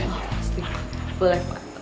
pasti boleh pak